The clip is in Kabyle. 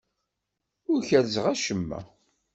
Ur kerrzeɣ acemma.